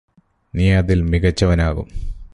നീ അതിൽ മികച്ചവനാകും